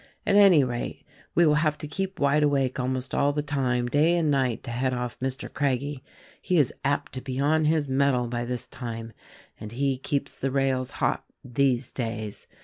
At anv rate, we 'will have to keep wide awake almost all the time, dav and night, to head off Mr. Craggie. He is apt to be on his mettle by this time ; and he keeps the rails hot— these days.